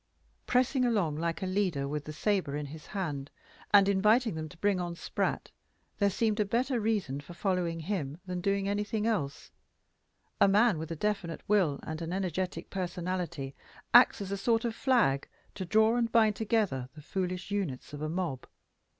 Pressing along like a leader, with the sabre in his hand, and inviting them to bring on Spratt, there seemed a better reason for following him than for doing anything else. A man with a definite will and an energetic personality acts as a sort of flag to draw and bind together the foolish units of a mob.